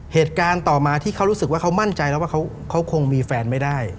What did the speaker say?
เหตุการณ์ต่อมาที่เขารู้สึกว่าเขามั่นใจแล้วว่าเขาคงมีแฟนไม่ได้